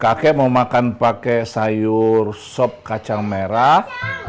kakek mau makan pakai sayur sop kacang merah